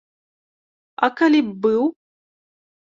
А калі б быў?